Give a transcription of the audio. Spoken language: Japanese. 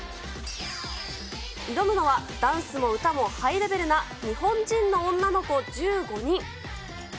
挑むのはダンスも歌もハイレベルな、日本人の女の子１５人。